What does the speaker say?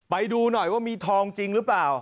ไปดูหน่อยว่ามีทองจริงหรือเปล่า